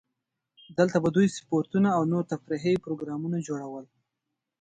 دلته به دوی سپورتونه او نور تفریحي پروګرامونه جوړول.